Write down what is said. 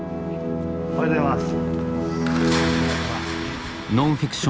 おはようございます。